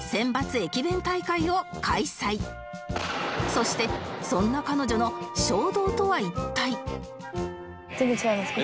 そしてそんな彼女の衝動とは一体